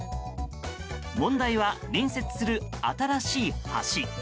問題は隣接する新しい橋。